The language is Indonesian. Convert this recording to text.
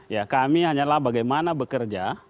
ya kami hanyalah bagaimana bekerja